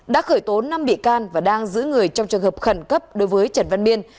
đã khởi tố năm bị can và đang giữ người trong trường hợp khẩn cấp đối với trần văn biên